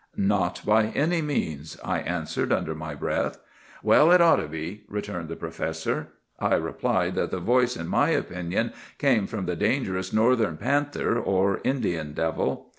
"'Not by any means!' I answered under my breath. "'Well, it ought to be,' returned the professor. "I replied that the voice, in my opinion, came from the dangerous Northern panther, or 'Indian devil.